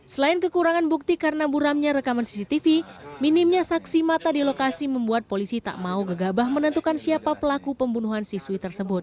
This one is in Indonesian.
selain kekurangan bukti karena buramnya rekaman cctv minimnya saksi mata di lokasi membuat polisi tak mau gegabah menentukan siapa pelaku pembunuhan siswi tersebut